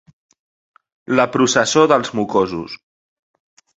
La processó dels mocosos.